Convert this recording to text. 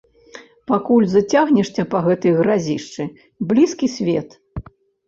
Пакуль зацягнешся па гэтай гразішчы, блізкі свет.